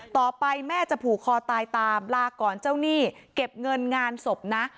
ต่อไปแม่จะผูกคอตายตามลาก่อนเจ้าหนี้เก็บเงินงานศพนะ